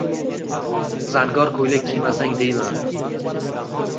Zangor ko‘ylak kiymasang deyman